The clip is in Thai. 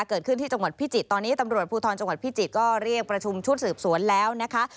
เกิดขึ้นที่จังหวัดพิจิตรตอนนี้ตำรวจภูทรจังหวัดพิจิตรก็เรียกประชุมชุดสืบสวนแล้วนะคะ